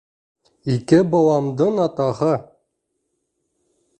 Ике баламдың атаһы!